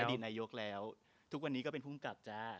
ดีนายกแล้วทุกวันนี้ก็เป็นภูมิกับจ้า